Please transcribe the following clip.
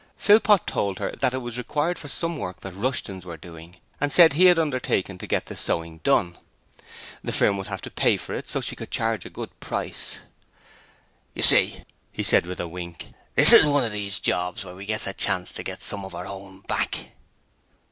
Philpot told her that it was required for some work that Rushton's were doing, and said he had undertaken to get the sewing done. The firm would have to pay for it, so she could charge a good price. 'You see,' he said with a wink, 'this is one of those jobs where we gets a chance to get some of our own back.'